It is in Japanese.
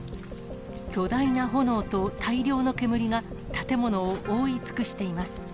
巨大な炎と大量の煙が建物を覆い尽くしています。